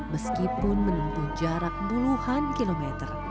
meskipun menempuh jarak puluhan kilometer